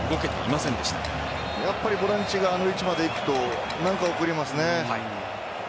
確かにボランチがあの位置まで動くと何かありますね。